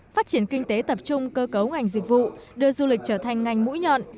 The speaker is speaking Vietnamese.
phát triển kinh tế tập trung cơ cấu ngành dịch vụ đưa du lịch trở thành ngành mũi nhọn